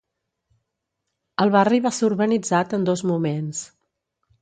El barri va ser urbanitzat en dos moments.